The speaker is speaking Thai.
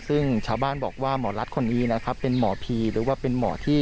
ซึ่งชาวบ้านบอกว่าหมอรัฐคนนี้นะครับเป็นหมอผีหรือว่าเป็นหมอที่